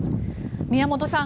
宮本さん